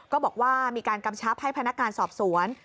ก็บอกว่ามีการกำชับให้พนักงานสอบสวน